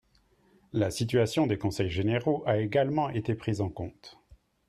La situation des conseils généraux a également été prise en compte.